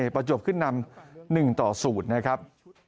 ประจวบขึ้นนำ๑ต่อ๐นะครับ